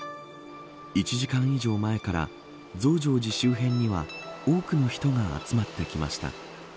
１時間以上前から増上寺周辺には多くの人が集まってきました。